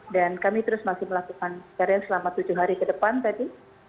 dan kami terus masih melakukan karir selama tujuh hari ke depan tadi